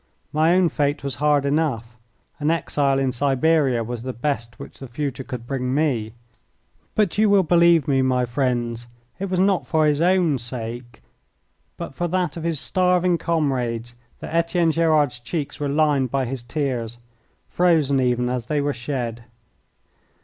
My own fate was hard enough. An exile in Siberia was the best which the future could bring me. But you will believe me, my friends, that it was not for his own sake, but for that of his starving comrades, that Etienne Gerard's cheeks were lined by his tears, frozen even as they were shed.